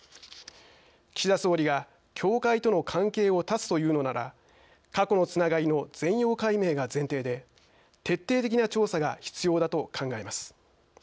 岸田総理が教会との関係を断つと言うのなら過去のつながりの全容解明が前提で徹底的な調査が必要だと考えます。